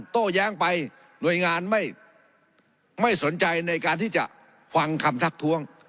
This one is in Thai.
โต้แย้งไปหน่วยงานไม่สนใจในการที่จะฟังคำทักท้วง